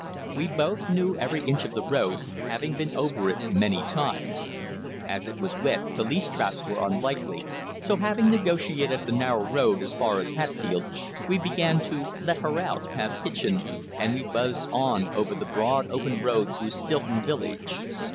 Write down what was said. We both knew every inch of the road, having been over it many times. As it was wet, police traps were unlikely, so, having negotiated the narrow road as far as Hatfield, we began to "let her out" past Hitchin, and we buzzed on over the broad open road through Stilton village.